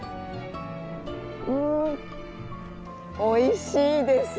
うんおいしいです。